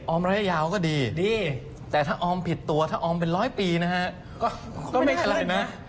ระยะยาวก็ดีดีแต่ถ้าออมผิดตัวถ้าออมเป็นร้อยปีนะฮะก็ไม่เป็นไรนะ